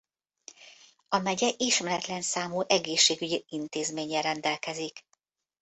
A megye ismeretlen számú egészségügyi intézménnyel rendelkezik.